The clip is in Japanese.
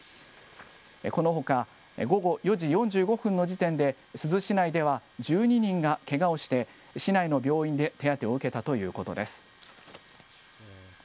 このほか、午後４時４５分の時点で、珠洲市内では１２人がけがをして、市内の病院で手当てを受けたということです。